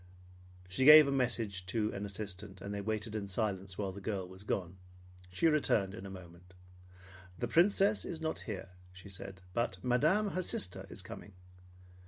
She gave a message to an assistant, and they waited in silence while the girl was gone. She returned in a moment. "The Princess is not here," she said, "but Madame, her sister, is coming."